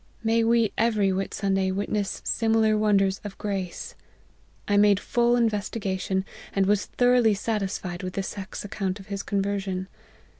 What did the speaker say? May we every Whit Sunday witness similar wonders of grace ! I made full investigation, and was thoroughly satisfied with the Shekh's account of his conversion.